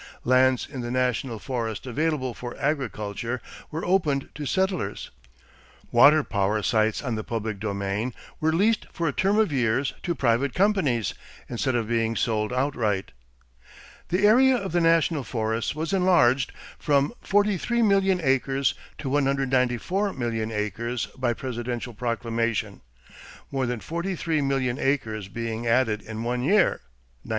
Lands in the national forest available for agriculture were opened to settlers. Water power sites on the public domain were leased for a term of years to private companies instead of being sold outright. The area of the national forests was enlarged from 43 million acres to 194 million acres by presidential proclamation more than 43 million acres being added in one year, 1907.